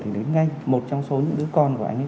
thì đến ngay một trong số những đứa con của anh ấy